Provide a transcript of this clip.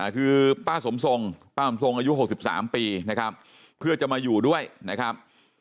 คือป้าสมทรงป้าสมทรงอายุ๖๓ปีนะครับเพื่อจะมาอยู่ด้วยนะครับ